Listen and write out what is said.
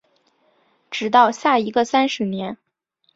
直到下一个三十年